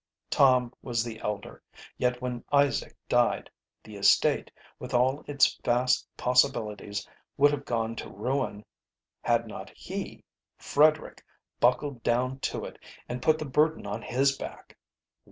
Tom was the elder, yet when Isaac died, the estate, with all its vast possibilities would have gone to ruin, had not he, Frederick, buckled down to it and put the burden on his back.